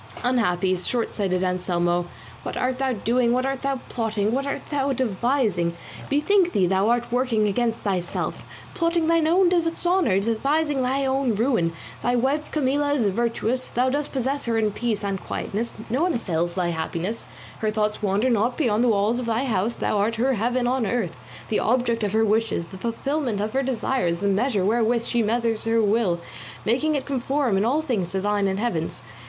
Unhappy, shortsighted Anselmo, what art thou doing, what art thou plotting, what art thou devising? Bethink thee thou art working against thyself, plotting thine own dishonour, devising thine own ruin. Thy wife Camilla is virtuous, thou dost possess her in peace and quietness, no one assails thy happiness, her thoughts wander not beyond the walls of thy house, thou art her heaven on earth, the object of her wishes, the fulfilment of her desires, the measure wherewith she measures her will, making it conform in all things to thine and Heaven's.